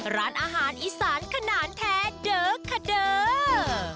ร้านอาหารอีสานขนาดแท้เด้อคาเดอร์